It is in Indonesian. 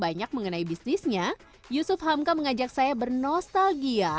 banyak mengenai bisnisnya yusuf hamka mengajak saya bernostalgia